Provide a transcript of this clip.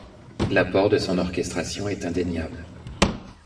L'apport de son orchestration est indéniable.